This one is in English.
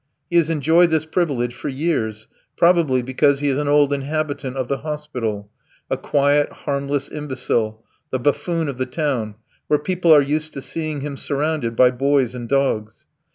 He has enjoyed this privilege for years, probably because he is an old inhabitant of the hospital a quiet, harmless imbecile, the buffoon of the town, where people are used to seeing him surrounded by boys and dogs.